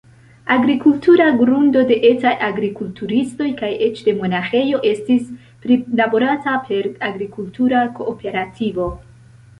Agrikultura grundo de etaj agrikulturistoj kaj eĉ de monaĥejo estis prilaborata per agrikultura kooperativo.